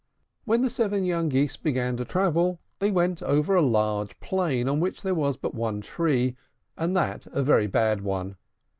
When the seven young Geese began to travel, they went over a large plain, on which there was but one tree, and that was, a very bad one.